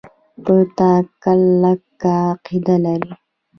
په تا کلکه عقیده لري.